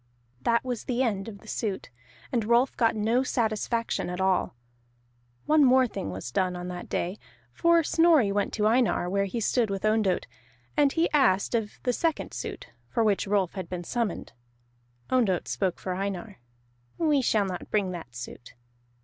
That was the end of the suit, and Rolf got no satisfaction at all. One more thing was done on that day, for Snorri went to Einar where he stood with Ondott, and he asked of the second suit, for which Rolf had been summoned. Ondott spoke for Einar. "We shall not bring that suit."